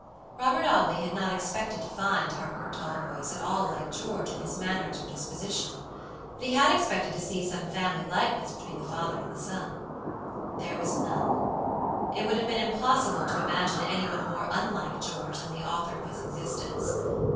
Robert Audley had not expected to find Harcourt Talboys at all like George in his manners or disposition, but he had expected to see some family likeness between the father and the son. There was none. It would have been impossible to imagine any one more unlike George than the author of his existence.